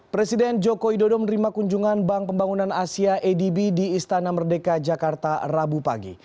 presiden joko widodo menerima kunjungan bank pembangunan asia adb di istana merdeka jakarta rabu pagi